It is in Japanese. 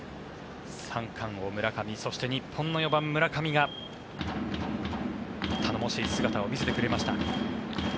三冠王、村上そして日本の４番、村上が頼もしい姿を見せてくれました。